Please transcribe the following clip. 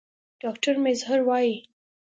ډاکټر میزهر وايي